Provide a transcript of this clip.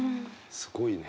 すごいね。